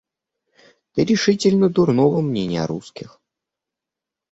Ты решительно дурного мнения о русских.